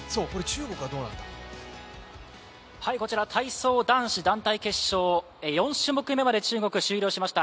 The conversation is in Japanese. こちら、体操男子団体決勝、４種目めまで中国、終了しました。